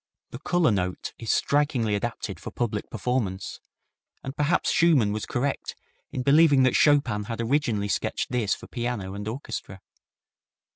The color note is strikingly adapted for public performance, and perhaps Schumann was correct in believing that Chopin had originally sketched this for piano and orchestra.